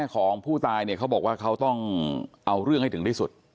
ของผู้ตายเนี่ยเขาบอกว่าเขาต้องเอาเรื่องให้ถึงที่สุด